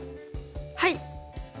はい！